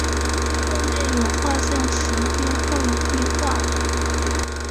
墓内有画像石并绘有壁画。